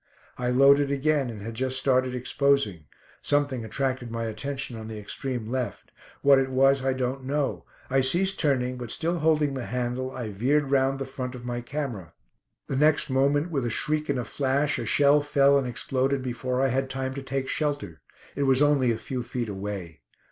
I loaded again, and had just started exposing. Something attracted my attention on the extreme left. What it was I don't know. I ceased turning, but still holding the handle, I veered round the front of my camera. The next moment, with a shriek and a flash, a shell fell and exploded before I had time to take shelter. It was only a few feet away.